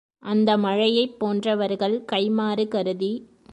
அந்த மழையைப் போன்றவர்கள் கைம்மாறு கருதி